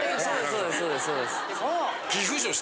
そうですそうです。